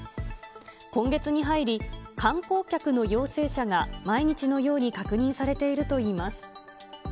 今月に入り、観光客の陽性者が毎日のように確認されているといいます。